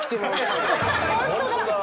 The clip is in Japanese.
ホントだ。